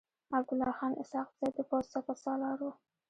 عبدالله خان اسحق زی د پوځ سپه سالار و.